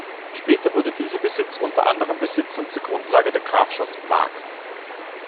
Später wurde dieser Besitz unter anderen Besitzern zur Grundlage der Grafschaft Mark.